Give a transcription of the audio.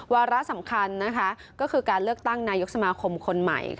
วาระสำคัญก็คือการเลือกตั้งนายกสมาคมคนใหม่